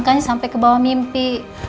kan sampai ke bawah mimpi